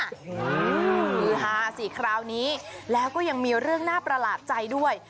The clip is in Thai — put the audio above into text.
โอ้โหฮือฮาสิคราวนี้แล้วก็ยังมีเรื่องน่าประหลาดใจด้วย